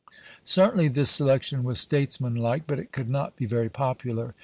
Certainly this selection was statesmanlike, but it could not be very popular.